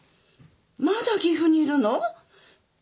まだ岐阜にいるの？